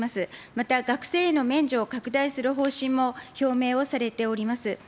また学生への免除を拡大する方針も表明をされております。